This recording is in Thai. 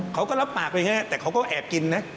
เขาก็รับปากไปแต่เขาก็แอบกินนะ